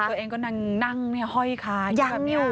ตัวเองก็นั่งห้อยคาอยู่แบบนี้